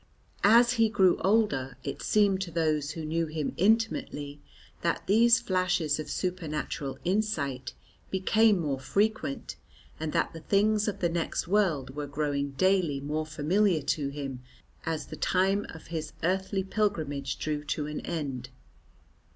As he grew older it seemed to those who knew him intimately that these flashes of supernatural insight became more frequent, and that the things of the next world were growing daily more familiar to him as the time of his earthly pilgrimage drew to an end.